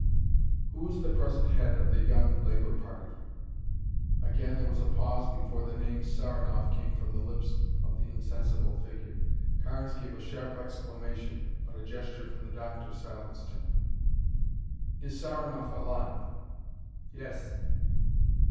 "Who is the present head of the Young Labor party?" Again there was a pause before the name "Saranoff" came from the lips of the insensible figure. Carnes gave a sharp exclamation but a gesture from the doctor silenced him. "Is Saranoff alive?" "Yes."